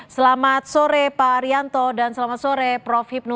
selamat sore pak arianto dan selamat sore prof hipnu